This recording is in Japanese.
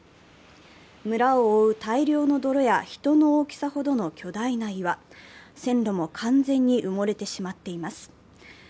村を覆う大量の泥や人の大きさほどの巨大な岩、線路も完全に埋もれてしまっています。